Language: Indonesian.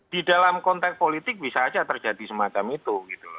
di dalam konteks politik bisa saja terjadi semacam itu